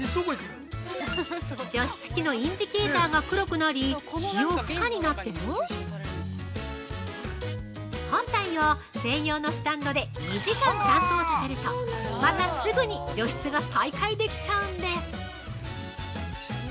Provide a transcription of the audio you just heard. ◆除湿器のインジゲーターが黒くなり、使用不可になっても本体を専用のスタンドで２時間乾燥させるとまたすぐに除湿が再開できちゃうんです。